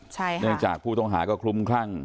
เนื่องจากผู้ต้องหาก็คลุมครั่ง